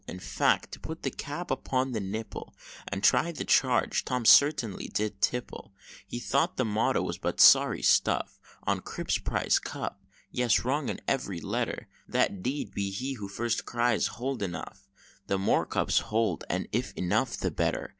In fact, to put the cap upon the nipple, And try the charge, Tom certainly did tipple. He thought the motto was but sorry stuff On Cribb's Prize Cup Yes, wrong in ev'ry letter That "D d be he who first cries Hold Enough!" The more cups hold, and if enough, the better.